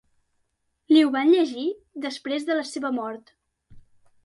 Li ho van llegir després de la seva mort.